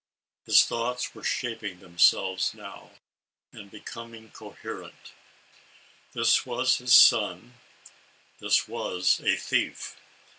His thoughts were shaping themselves now, and becoming coherent. This was his son; this was a thief.